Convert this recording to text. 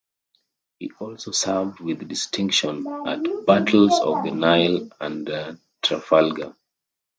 He also served with distinction at battles of the Nile and Trafalgar.